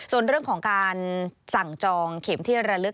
ส่วนเรื่องของการสั่งจองเข็มที่ระลึก